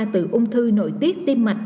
từ ung thư nội tiết tim mạch